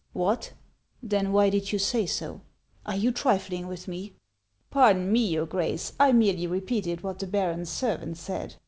" What ! Then why did you say so ? Are you trifling with me ?"" Pardon me, your Grace ! I merely repeated what the baron's servant said.